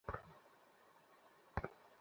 তার সাথে কী কথা বলেছিলে?